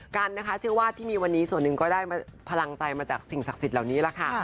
กันนะคะเชื่อว่าที่มีวันนี้ส่วนหนึ่งก็ได้พลังใจมาจากสิ่งศักดิ์สิทธิ์เหล่านี้แหละค่ะ